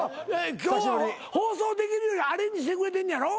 今日は放送できるようにアレンジしてくれてんねやろ？